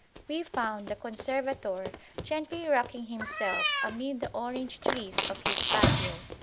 We found the Conservator gently rocking himself amid the orange trees of his patio.